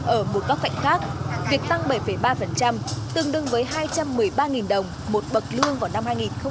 ở một góc cạnh khác việc tăng bảy ba tương đương với hai trăm một mươi ba đồng một bậc lương vào năm hai nghìn một mươi năm